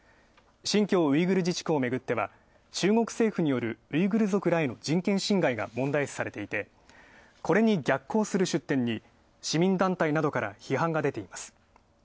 新疆ウイグル自治区をめぐっては中国政府によるウイグル族らへの人権侵害が問題視されていてこれに逆行する出店に、市民団体などから批判が出ています。